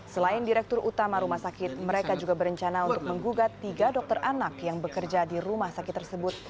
selain direktur utama rumah sakit mereka juga berencana untuk menggugat tiga dokter anak yang bekerja di rumah sakit tersebut